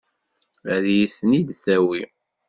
Ad iyi-ten-id-tawi?